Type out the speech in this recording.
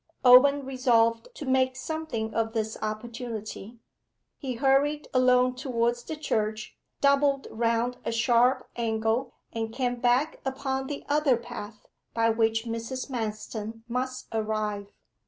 Owen resolved to make something of this opportunity. He hurried along towards the church, doubled round a sharp angle, and came back upon the other path, by which Mrs. Manston must arrive.